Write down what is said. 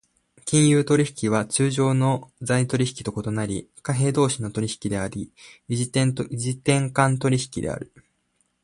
金融取引は通常の財取引と異なり、貨幣同士の取引であり、異時点間取引である。